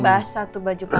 basah tuh baju papa